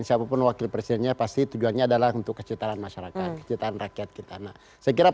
siapapun wakil presidennya pasti tujuannya adalah untuk kecitaan masyarakat kecitaan rakyat kita nah